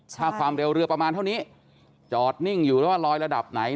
ถ้าความเร็วเรือประมาณเท่านี้จอดนิ่งอยู่แล้วว่าลอยระดับไหน